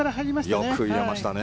よく入れましたね